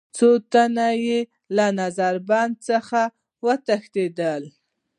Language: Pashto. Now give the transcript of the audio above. څو تنه یې له نظر بندۍ څخه وتښتېدل.